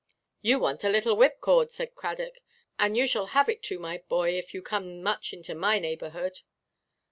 "You want a little whipcord," said Cradock; "and you shall have it too, my boy, if you come much into my neighbourhood."